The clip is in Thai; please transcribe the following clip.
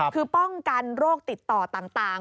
คือป้องกันโรคติดต่อต่าง